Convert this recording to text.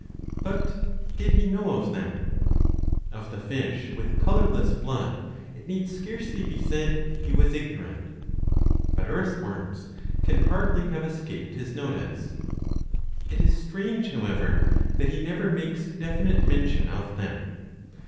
But did he know of them ? Of the fish with colourless blood, it need scarcely be said, he was ignorant. But earth worms can hardly have escaped his notice. It is strange, however, that he never makes definite mention of them.